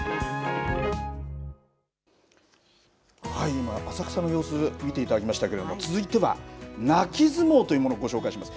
今、浅草の様子見ていただきましたけれども、続いては泣き相撲というものご紹介します。